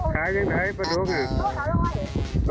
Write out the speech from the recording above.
ขายยังขายประดูก